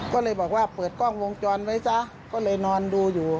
ก็เลยบอกว่าเปิดกล้องวงจรไว้ซะก็เลยนอนดูอยู่